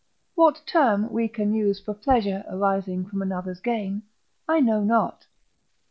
What term we can use for pleasure arising from another's gain, I know not.